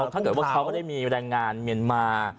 ท่านเจอว่าเขาก็ได้มีวัยลายงานเมียนมา